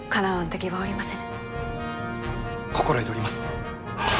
心得ております！